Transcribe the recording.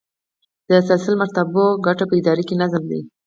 د سلسله مراتبو ګټه په اداره کې نظم دی.